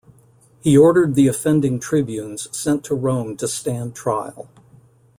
He ordered the offending tribunes sent to Rome to stand trial.